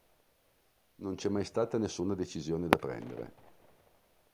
Non c'è mai stata nessuna decisione da prendere.